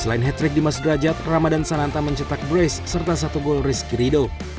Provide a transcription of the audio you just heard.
selain hat trick dimas derajat ramadhan sananta mencetak brace serta satu gol riskirido